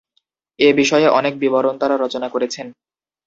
এ বিষয়ে অনেক বিবরণ তারা রচনা করেছেন।